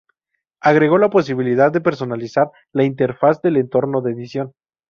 Agregó la posibilidad de personalizar la interfaz del entorno de edición.